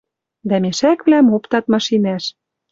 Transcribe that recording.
Дӓ мешаквлӓм оптат машинӓш.